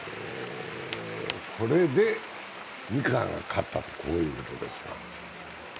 これで三河が勝った、こういうことです。